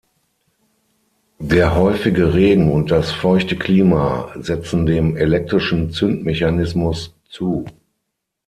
Der häufige Regen und das feuchte Klima setzten dem elektrischen Zündmechanismus zu.